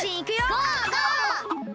ゴー！